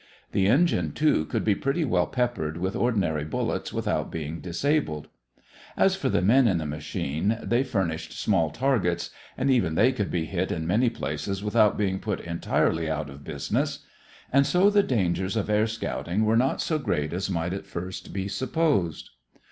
The engine, too, could be pretty well peppered with ordinary bullets without being disabled. As for the men in the machine, they furnished small targets, and even they could be hit in many places without being put entirely out of business. And so the dangers of air scouting were not so great as might at first be supposed.